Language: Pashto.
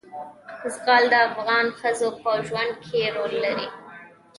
زغال د افغان ښځو په ژوند کې رول لري.